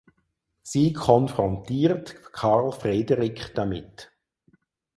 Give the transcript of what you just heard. Sie konfrontiert Karl Frederick damit.